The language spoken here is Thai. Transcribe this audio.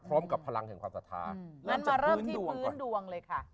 พร้อมกับพลังแห่งความศรัทธางั้นจะเริ่มที่พื้นดวงเลยค่ะ